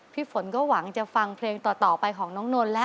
ฝนก็หวังจะฟังเพลงต่อไปของน้องนนท์แล้ว